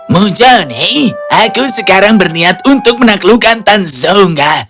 mujone aku sekarang berniat untuk menaklukkan tanzonga